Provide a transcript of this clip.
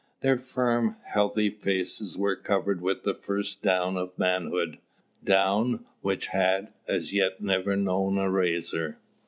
Their firm healthy faces were covered with the first down of manhood, down which had, as yet, never known a razor.